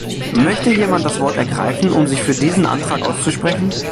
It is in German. Möchte jemand das Wort ergreifen, um sich für diesen Antrag auszusprechen?